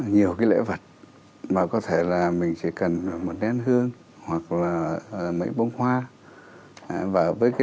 nhiều cái lễ vật mà có thể là mình chỉ cần một nén hương hoặc là mấy bông hoa và với cái